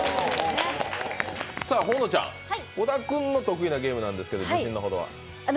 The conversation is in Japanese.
小田君の得意なゲームなんですけど、自信のほどは？